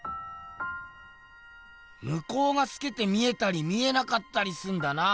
むこうがすけて見えたり見えなかったりすんだな。